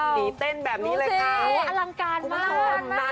หนีเต้นแบบนี้เลยค่ะดูสิอลังการมากคุณผู้ชมมากมากมาก